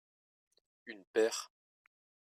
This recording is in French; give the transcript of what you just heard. une paire.